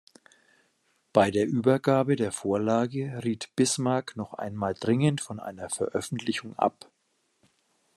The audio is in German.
Bei der Übergabe der Vorlage riet Bismarck noch einmal dringend von einer Veröffentlichung ab.